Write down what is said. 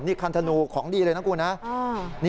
นี่คันธนูของดีเลยนะครับคุณ